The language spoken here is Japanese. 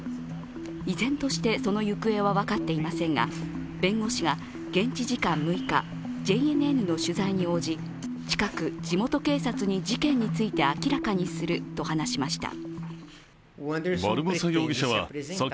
依然としてその行方は分かっていませんが、弁護士が現地時間６日、ＪＮＮの取材に応じ、近く地元警察に事件について明らかにすると話しました。